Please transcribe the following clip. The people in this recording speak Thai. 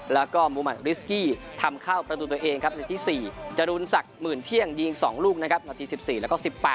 แล้วก็มุมัติริสกี้ทำเข้าประตูตัวเองครับนาทีที่๔จรูนศักดิ์หมื่นเที่ยงยิง๒ลูกนะครับนาที๑๔แล้วก็๑๘